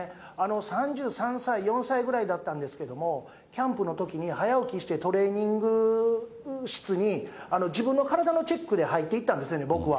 ３３歳、４歳ぐらいだったんですけれども、キャンプのときに早起きして、トレーニング室に、自分の体のチェックで入っていったんですね、僕は。